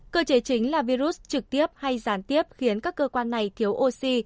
cơ chế chính là virus trực tiếp hay giàn tiếp khiến các cơ quan này thiếu oxy